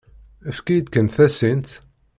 Efk-iyi-d kan tasint.